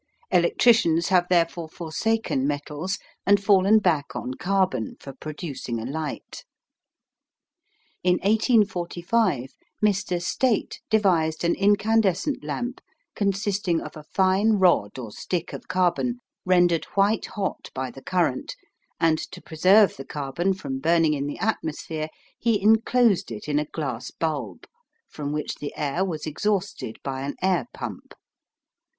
Electricians have therefore forsaken metals, and fallen back on carbon for producing a light. In 1845 Mr. Staite devised an incandescent lamp consisting of a fine rod or stick of carbon rendered white hot by the current, and to preserve the carbon from burning in the atmosphere, he enclosed it in a glass bulb, from which the air was exhausted by an air pump.